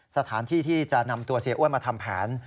สถานที่ที่จะนำตัวเสียอ้วนมาทำแผน